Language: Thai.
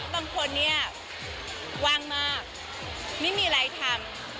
บางคนเนี่ยว่างมากไม่มีอะไรทำ